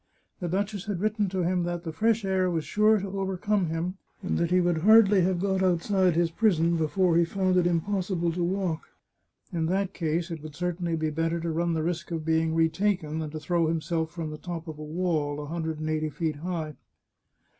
The duchess had written to him that the fresh air was sure to overcome him, and that he would hardly have got outside his prison before he would find it impossible to walk. In that case it would certainly be better to run the risk of being retaken than to throw himself from the top of a wall a hundred and eighty feet high.